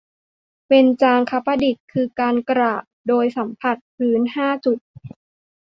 เบญจางคประดิษฐ์ คือการกราบโดยสัมผัสพื้นห้าจุด